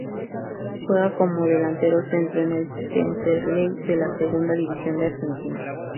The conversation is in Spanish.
Juega como delantero centro en el Temperley de la Segunda División de Argentina.